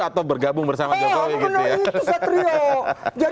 atau bergabung bersama jokowi gitu ya